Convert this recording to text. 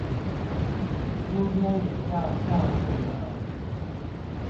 今天也要上映了